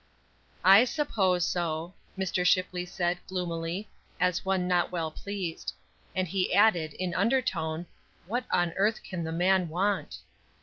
"I suppose so," Mr. Shipley said, gloomily, as one not well pleased; and he added, in under tone, "What on earth can the man want?"